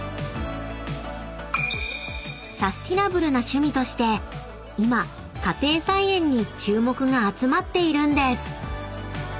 ［サスティナブルな趣味として今家庭菜園に注目が集まっているんです］